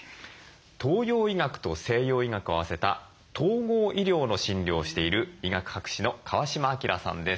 東洋医学と西洋医学を合わせた統合医療の診療をしている医学博士の川嶋朗さんです。